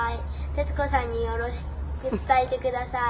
「徹子さんによろしく伝えてください」